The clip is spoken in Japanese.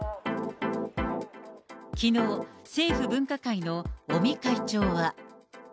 きのう、政府分科会の尾身会長は。